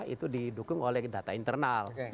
itu didukung oleh data internal